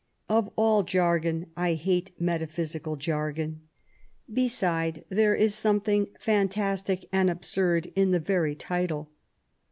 Of all jargon, I hate metaphysical jargon ; beiide, there is something fantastic and absurd in the yery title.